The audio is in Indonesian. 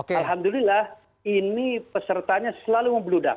alhamdulillah ini pesertanya selalu membeludak